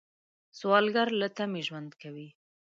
سوالګر له تمې ژوند کوي